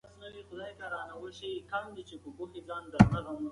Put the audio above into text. که پښتو قوي وي، نو کلتوري غرور به وي.